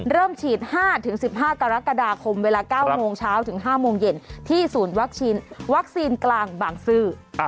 เริ่มฉีด๕๑๕กรกฎาคมเวลา๙โมงเช้าถึง๕โมงเย็นที่ศูนย์วัคซีนกลางบางซื่อ